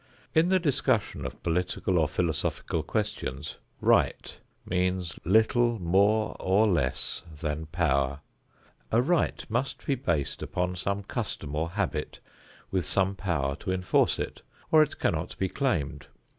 In the discussion of political or philosophical questions, "right" means little more or less than "power." A right must be based upon some custom or habit with some power to enforce it, or it cannot be claimed.